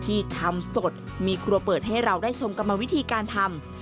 ที่ทำสดมีครัวเปิดให้เราได้ชมกรรมวิธีการทำ